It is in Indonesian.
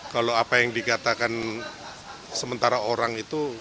kalau apa yang dikatakan sementara orang itu